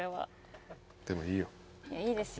でもいいよ。